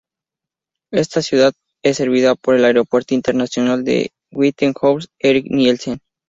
Esta ciudad es servida por el Aeropuerto Internacional de Whitehorse Erik Nielsen.